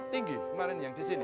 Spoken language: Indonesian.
tinggi kemarin yang di sini